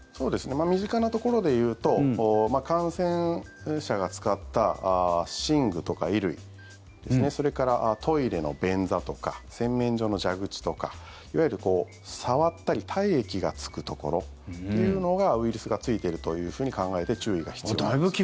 身近なところでいうと感染者が使った寝具とか衣類それからトイレの便座とか洗面所の蛇口とかいわゆる触ったり体液がつくところというのがウイルスがついているというふうに考えて注意が必要です。